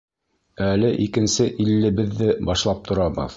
Әле икенсе иллебеҙҙе башлап торабыҙ...